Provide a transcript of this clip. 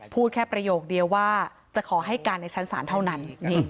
พูดแค่ประโยคเดียวว่าจะขอให้การในชั้นศาลเท่านั้น